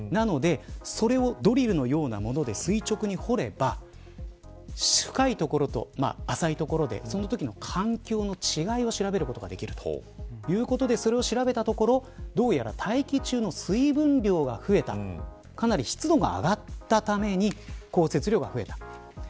なのでドリルのようなもので垂直に掘れば深い所と浅い所でそのときの環境の違いを調べることができるということでそれを調べたところどうやら大気中の水分量が増えたかなり湿度が上がったために降雪量が増えた。